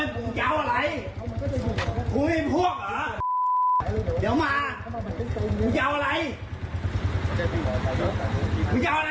ปู้ติดคุ้มมาตลายร้ะ